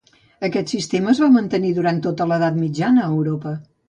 Aquest sistema es va mantenir durant tota l'Edat Mitjana a Europa.